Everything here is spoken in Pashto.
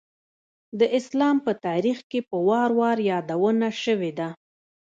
د اسلام په تاریخ کې په وار وار یادونه شوېده.